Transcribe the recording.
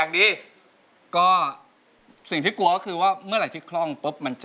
ขยี่ตัวเองด้วยนะ